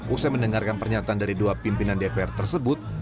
usai mendengarkan pernyataan dari dua pimpinan dpr tersebut